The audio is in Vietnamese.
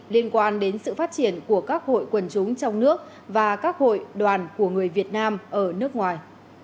liên quan đến sự phát triển của các hội quần chúng trong nước và các hội đoàn của người việt nam ở nước ngoài